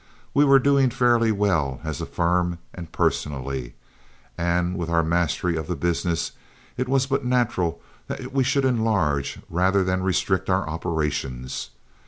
We were doing fairly well as a firm and personally, and with our mastery of the business it was but natural that we should enlarge rather than restrict our operations.